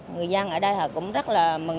người dân ở đây họ cũng rất là mừng